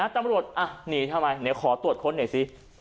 ตำรวจอ่ะหนีทำไมขอตรวจค้นหน่อยสิ